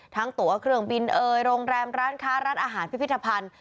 ทั้งตัวเครื่องบินเอ่ยโรงแรมร้านค้าร้านอาหารพิพิธภัณฑ์